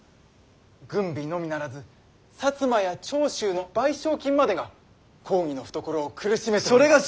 軍備のみならず摩や長州の賠償金までが公儀の懐を苦しめております。